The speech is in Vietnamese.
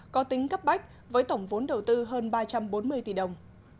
có tính cấp bách với tổng vốn đầu tư hơn ba trăm bốn mươi tỷ đồng